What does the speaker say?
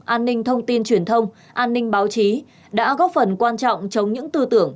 an ninh thông tin truyền thông an ninh báo chí đã góp phần quan trọng chống những tư tưởng